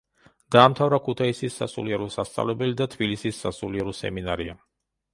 დაამთავრა ქუთაისის სასულიერო სასწავლებელი და თბილისის სასულიერო სემინარია.